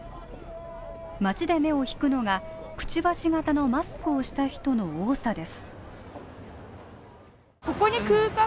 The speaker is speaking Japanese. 街で目を引くのが、くちばし型のマスクをした人の多さです。